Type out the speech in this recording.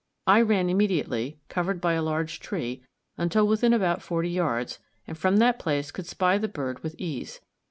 I ran immediately, covered by a large tree, until within about forty yards, and from that place could spy the bird with ease.